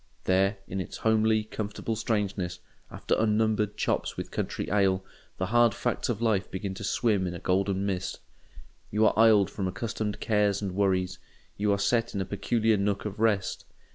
There, in its homely, comfortable strangeness, after unnumbered chops with country ale, the hard facts of life begin to swim in a golden mist. You are isled from accustomed cares and worries—you are set in a peculiar nook of rest.